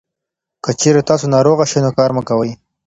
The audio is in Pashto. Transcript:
که چېرې تاسو ناروغه شئ، نو کار مه کوئ.